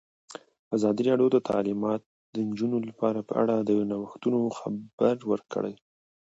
ازادي راډیو د تعلیمات د نجونو لپاره په اړه د نوښتونو خبر ورکړی.